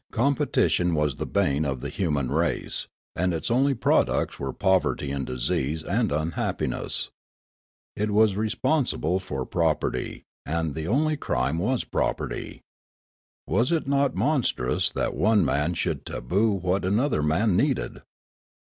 Com petition was the bane of the human race ; and its onl} products were poverty and disease and unhappiness. It was responsible for property, and the only crime was property. Was it not monstrous that one man should taboo what another man needed